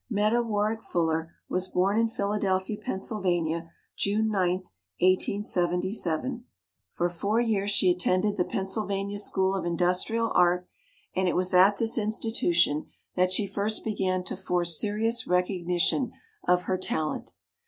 Meta Warrick Fuller was born in Phila delphia, Pennsylvania, June 9, 1877. For 62 WOMEN OF ACHIEVEMENT four years she attended the Pennsylvania School of Industrial Art, and it was at this institution that she first began to force seri ous recognition of her talent.